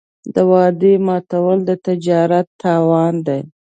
د وعدې ماتول د تجارت تاوان دی.